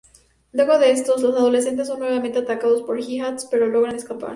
Luego de esto, los adolescentes son nuevamente atacados por Hi-Hatz, pero logran escapar.